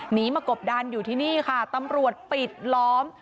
หนีมากบดันอยู่ที่นี่ค่ะตำรวจปิดล้อม